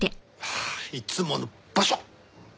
ああいつもの場所！